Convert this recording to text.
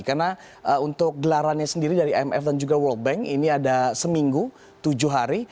karena untuk gelarannya sendiri dari imf dan juga world bank ini ada seminggu tujuh hari